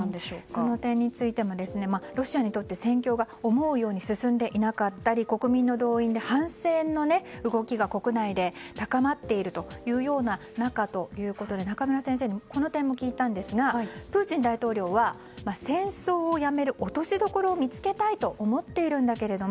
その点についてもロシアにとって戦況が思うように進んでいなかったり国民の動員で反戦の動きが国内で高まっているというような中ということで中村先生にこの点も聞いたんですがプーチン大統領は戦争をやめる落としどころを見つけたいと思っているんだけど